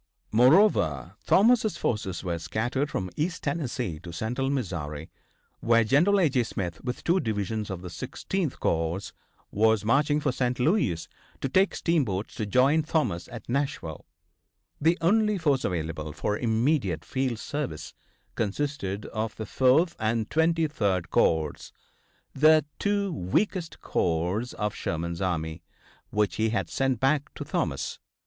Moreover, Thomas' forces were scattered from East Tennessee to Central Missouri, where General A.J. Smith, with two divisions of the Sixteenth corps, was marching for St. Louis to take steamboats to join Thomas at Nashville. The only force available for immediate field service consisted of the Fourth and the Twenty third corps, the two weakest corps of Sherman's army, which he had sent back to Thomas.